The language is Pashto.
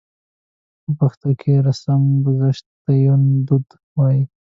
په پښتو کې رسمګذشت ته يوندود وايي.